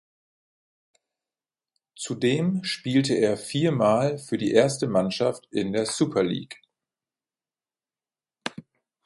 Zudem spielte er viermal für die erste Mannschaft in der Super League.